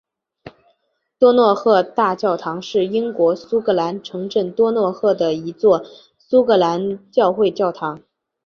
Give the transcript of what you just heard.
多诺赫大教堂是英国苏格兰城镇多诺赫的一座苏格兰教会教堂。